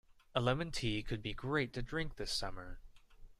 A lemon tea could be great to drink this summer.